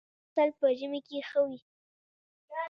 برزو اغوستل په ژمي کي ښه وي.